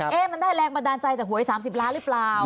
มันได้แรงบันดาลใจจากหวย๓๐ล้านหรือเปล่า